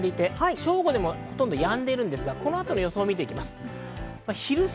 正午もやんでいるんですが、この後の予想を見てきます。